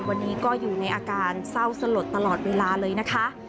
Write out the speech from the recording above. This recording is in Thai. วันนี้ก็อยู่ในอาการเศร้าสลดตลอดเวลาเลยนะคะ